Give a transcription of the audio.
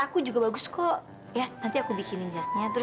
yang bagus bagus itu yang ada pinggirannya itu